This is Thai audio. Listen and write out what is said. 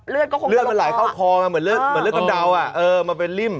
เลือดก็คงกำลังก่อเลือดมันหลายเข้าคอมาเหมือนเลือดกำเดาอะเออมาเป็นริ่ม